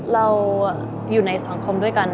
เราอยู่ในสังคมด้วยกัน